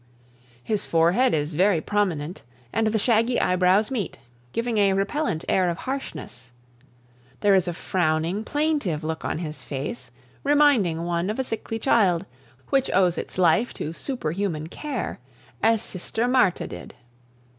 His forehead is very prominent, and the shaggy eyebrows meet, giving a repellent air of harshness. There is a frowning, plaintive look on his face, reminding one of a sickly child, which owes its life to superhuman care, as Sister Marthe did.